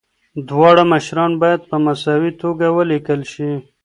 دواړه مشران باید په مساوي توګه ولیکل شي.